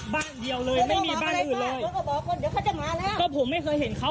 บ้านเดียวเลยไม่มีบ้านอื่นเลยเขาก็บอกว่าเดี๋ยวเขาจะมาแล้วก็ผมไม่เคยเห็นเขา